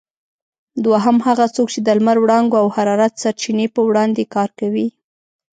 دوهم: هغه څوک چې د لمر وړانګو او حرارت سرچینې په وړاندې کار کوي؟